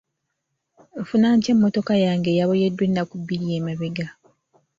Nfuna ntya emmotoka yange eyaboyeddwa ennaku bbiri emabega?